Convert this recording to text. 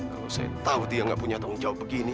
kalau saya tahu dia nggak punya tanggung jawab begini